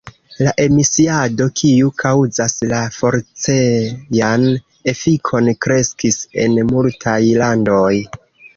La emisiado kiu kaŭzas la forcejan efikon kreskis en multaj landoj.